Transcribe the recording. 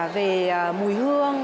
về mùi hương